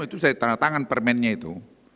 itu saya tanda tangan permennya itu